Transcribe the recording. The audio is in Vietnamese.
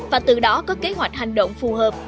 và từ đó có kế hoạch hành động phù hợp